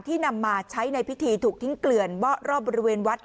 นำมาใช้ในพิธีถูกทิ้งเกลื่อนเบาะรอบบริเวณวัด